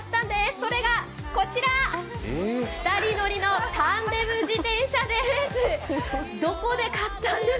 それがこちら２人乗りのタンデム自転車です。